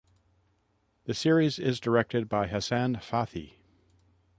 The series is directed by Hassan Fathi.